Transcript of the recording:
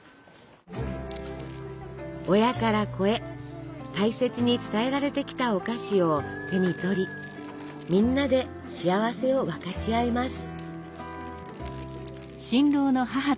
親から子へ大切に伝えられてきたお菓子を手に取りみんなで幸せを分かち合います。